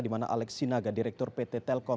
dimana alex sinaga direktur pt telkom